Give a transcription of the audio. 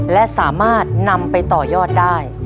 และสามารถนำไปต่อยอดได้